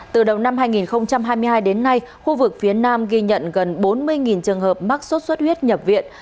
từ đầu năm hai nghìn hai mươi hai đến nay khu vực phía nam ghi nhận gần bốn mươi trường hợp mắc sốt xuất huyết nhập viện